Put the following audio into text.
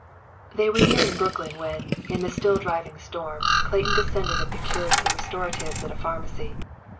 They were nearing Brooklyn when, in the still driving storm, Clayton descended and procured some restoratives at a pharmacy.